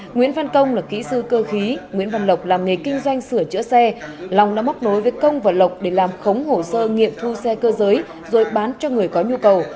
nguyễn văn công là kỹ sư cơ khí nguyễn văn lộc làm nghề kinh doanh sửa chữa xe long đã móc nối với công và lộc để làm khống hồ sơ nghiệm thu xe cơ giới rồi bán cho người có nhu cầu